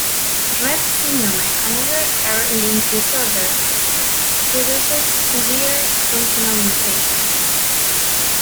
Rett syndrome, another X-linked disorder, produces severe functional limitations.